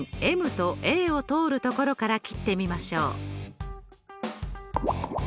ＭとＡを通る所から切ってみましょう。